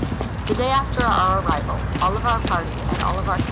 The day after our arrival, all of our party and all of our camp 13— jNAT.